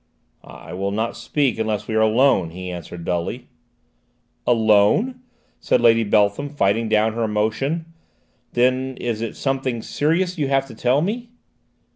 "I will not speak unless we are alone," he answered dully. "Alone?" said Lady Beltham, fighting down her emotion. "Then it is something serious you have to tell me?"